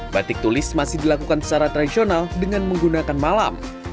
batik tulis masih dilakukan secara tradisional dengan menggunakan malam